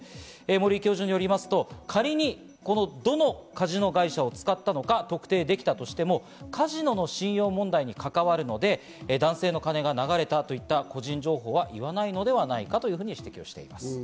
森井教授によりますと、仮にどのカジノ会社を使ったと特定できたとしてもカジノの信用問題に関わるので、男性の金が流れたといった個人情報は言わないのではないかと指摘しています。